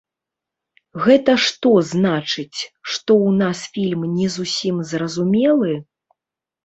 Гэта што, значыць, што ў нас фільм не зусім зразумелы?